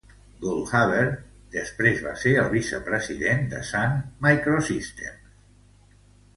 Goldhaber després va ser el vicepresident de Sun Microsystems.